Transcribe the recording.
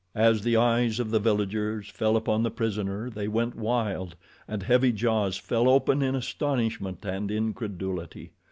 As the eyes of the villagers fell upon the prisoner, they went wild, and heavy jaws fell open in astonishment and incredulity.